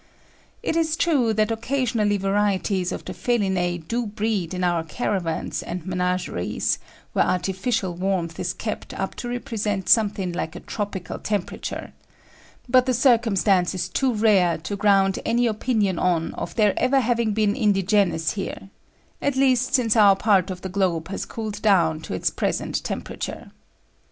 It is true that occasionally varieties of the Felinæ do breed in our caravans and menageries, where artificial warmth is kept up to represent something like a tropical temperature; but the circumstance is too rare to ground any opinion on of their ever having been indigenous here at least, since our part of the globe has cooled down to its present temperature.